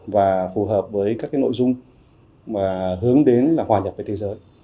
và phù hợp với các nội dung mà hướng đến là hòa nhập với thế giới